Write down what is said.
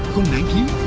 không nản khiến